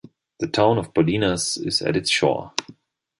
The town of Bolinas is at its shore.